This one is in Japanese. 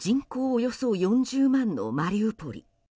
およそ４０万のマリウポリ。